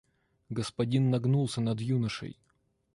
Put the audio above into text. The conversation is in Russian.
Господин нагнулся над юношей.